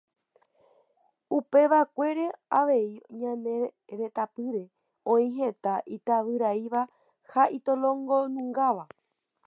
Upevakuére avei ñane retãpýre oĩ heta itavyraíva ha itolongonungáva.